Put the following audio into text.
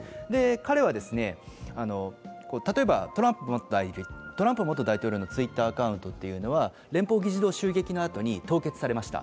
彼は例えばトランプ元大統領のＴｗｉｔｔｅｒアカウントというのは連邦議事堂襲撃のあとに凍結されました。